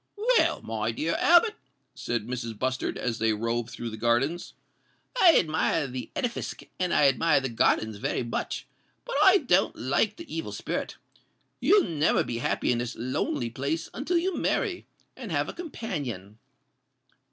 "Well, my dear Albert," said Mrs. Bustard, as they roved through the grounds, "I admire the edifisk and I admire the gardens very much; but I don't like the evil spirit. You'll never be happy in this lonely place until you marry, and have a companion."